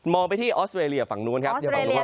มองไปที่ออสเตอรียาฝั่งนู้นครับ